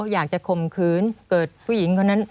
อยากจะคมคืนเกิดผู้หญิงคนนั้น